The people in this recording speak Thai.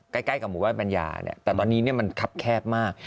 ใกล้กับหมู่บ้านปัญญาเนี่ยแต่ตอนนี้มันคับแคบมาก